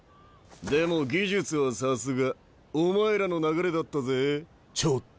でも技術はさすが。お前らの流れだったぜちょっと。